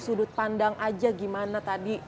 sudut pandang aja gimana tadi